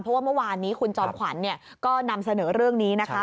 เพราะว่าเมื่อวานนี้คุณจอมขวัญก็นำเสนอเรื่องนี้นะคะ